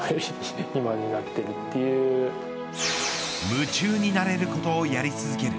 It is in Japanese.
夢中になれることをやり続ける。